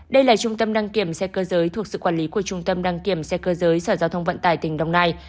đây là trung tâm đăng kiểm xe cơ giới thuộc sự quản lý của trung tâm đăng kiểm xe cơ giới sở giao thông vận tải tỉnh đồng nai